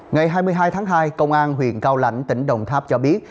ngày hai mươi hai tháng hai công an huyện cao lãnh tỉnh đồng tháp cho biết